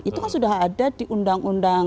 itu kan sudah ada di undang undang